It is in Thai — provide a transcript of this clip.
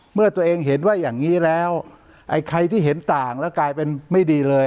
เมื่อตัวเองเห็นว่าอย่างนี้แล้วไอ้ใครที่เห็นต่างแล้วกลายเป็นไม่ดีเลย